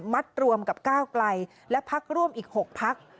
มัดรวมกับก้าวกลายและภักดิ์ร่วมอีก๖ภักดิ์